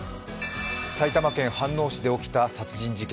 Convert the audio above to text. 埼玉県飯能市で起きた殺人事件。